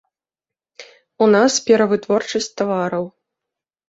У нас перавытворчасць тавараў.